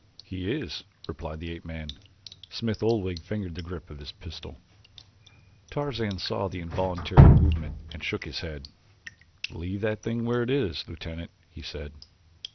"He is," replied the ape man. Smith Oldwick fingered the grip of his pistol. Tarzan saw the involuntary movement and shook his head. "Leave that thing where it is, Lieutenant," he said.